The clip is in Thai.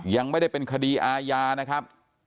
ยังไม่ได้เป็นคดีอาญานะครับ